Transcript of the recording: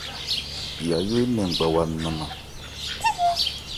Yayó énɛn ngbawa nannan.